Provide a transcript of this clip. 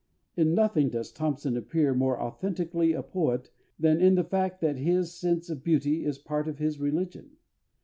In nothing does THOMPSON appear more authentically a poet than in the fact that his sense of beauty is part of his religion.